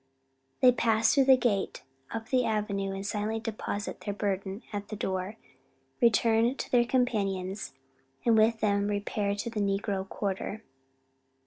They pass through the gate, up the avenue, and silently deposit their burden at the door, return to their companions, and with them repair to the negro quarter.